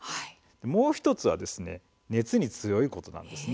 もう１つは熱に強いことなんです。